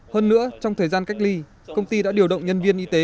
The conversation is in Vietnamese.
hơn nữa trong thời gian cách ly công ty đã điều động nhân viên y tế